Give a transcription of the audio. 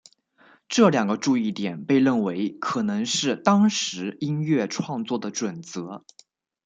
这两个注意点被认为可能是当时音乐创作的准则。